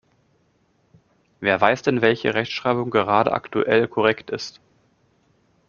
Wer weiß denn, welche Rechtschreibung gerade aktuell korrekt ist?